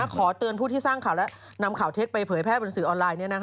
ขอเตือนผู้ที่สร้างข่าวและนำข่าวเท็จไปเผยแพร่บนสื่อออนไลน์